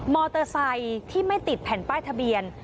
มอเตอร์ไซค์ที่ไม่ติดแผ่นป้ายทะเบียน